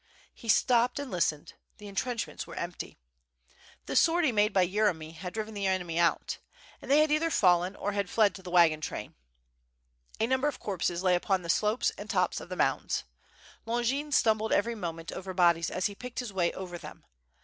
He stopped and listened, the entrenchments were empty. The sortie made by Yeremy had driven the enemy out, and they had either fallen, or had WITH FiHE AND SWORD. 759 fled to the wagon train. A number of corpses lay upon the slopes and tops of the mounds. Longin stumbled every moment over bodies as he picked his way over them.